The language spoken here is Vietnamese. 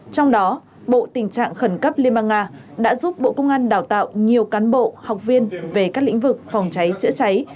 trong đó bộ tình trạng khẩn cấp liên bang nga đã giúp bộ công an đào tạo nhiều cán bộ học viên về các lĩnh vực phòng cháy chữa cháy